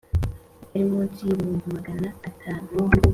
atari munsi y’ibihumbi magana atanu